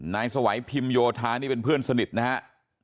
นายสวัยพิมโยธานี่เป็นเพื่อนสนิทนะฮะ